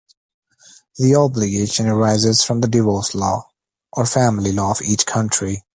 The obligation arises from the divorce law or family law of each country.